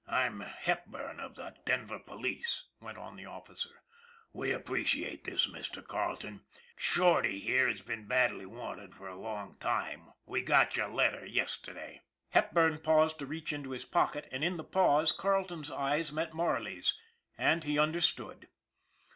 " I'm Hepburn of the Denver police," went on the officer. " We appreciate this, Mr. Carleton. Shorty here has been badly wanted for a long time. We got your letter yesterday." Hepburn paused to reach into his pocket, and in the pause Carleton's eyes met Marley's and he under stood.